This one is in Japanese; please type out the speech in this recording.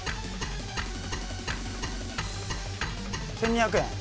１，２００円？